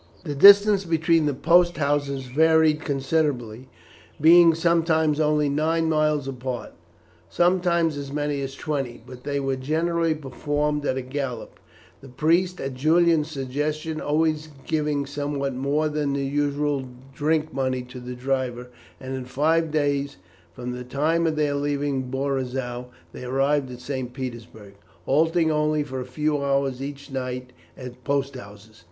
The distance between the post houses varied considerably, being sometimes only nine miles apart, sometimes as many as twenty, but they were generally performed at a gallop, the priest, at Julian's suggestion, always giving somewhat more than the usual drink money to the driver, and in five days from the time of their leaving Borizow they arrived at St. Petersburg, halting only for a few hours each night at post houses.